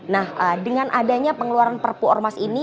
nah dengan adanya pengeluaran perpu ormas ini